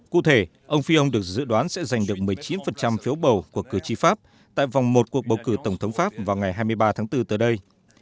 cụ thể ông phi ông được dự đoán sẽ giành được một mươi chín phiếu bầu của cử tri pháp tại vòng một cuộc bầu cử tổng thống pháp vào ngày hai mươi ba tháng bốn tới đây